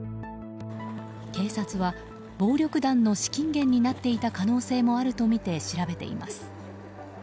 警察は暴力団の資金源になっていた可能性もあるとみて調べています。